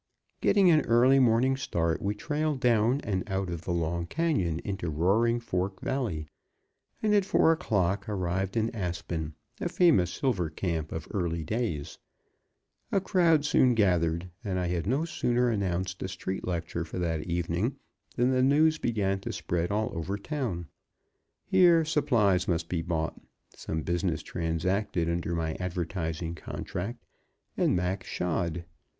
Getting an early morning start, we trailed down and out of the long canyon into Roaring Fork Valley, and at four o'clock arrived in Aspen, a famous silver camp of early days. A crowd soon gathered, and I had no sooner announced a street lecture for that evening than the news began to spread all over town. Here supplies must be bought, some business transacted under my advertising contract, and Mac shod.